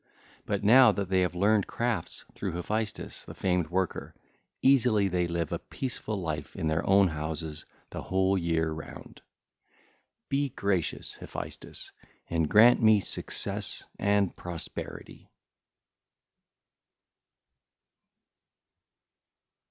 But now that they have learned crafts through Hephaestus the famed worker, easily they live a peaceful life in their own houses the whole year round. (l. 8) Be gracious, Hephaestus, and grant me success and prosperity!